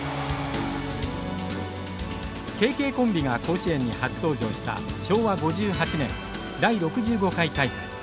ＫＫコンビが甲子園に初登場した昭和５８年第６５回大会。